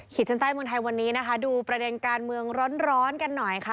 ชั้นใต้เมืองไทยวันนี้นะคะดูประเด็นการเมืองร้อนกันหน่อยค่ะ